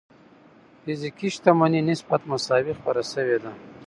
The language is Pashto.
فزيکي شتمنۍ نسبت مساوي خپره شوې ده.